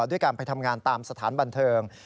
ด้วยการไปทำงานตามสถานบันเทิง